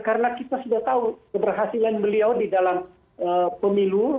karena kita sudah tahu keberhasilan beliau di dalam pemilu